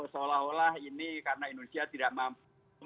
seolah olah ini karena indonesia tidak mampu